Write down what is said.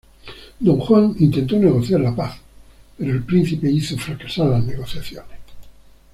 Don Juan intentó negociar la paz, pero el príncipe hizo fracasar las negociaciones.